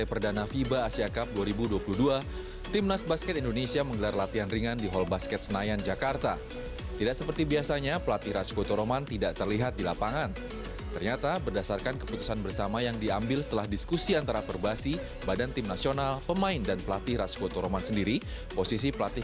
pembalas timnas basket indonesia di fiba asia cup dua ribu dua puluh dua diambil alih oleh pelatih minos pejik